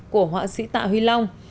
của họa sĩ tạ huy long